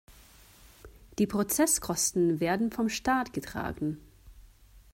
Die Prozesskosten werden vom Staat getragen.